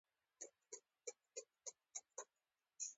اضطراب د ورځني ژوند ګډوډۍ پیدا کوي.